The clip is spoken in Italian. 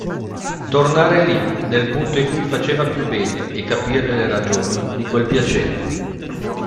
Tornare lì nel punto in cui faceva più bene e capire le ragioni di quel piacere.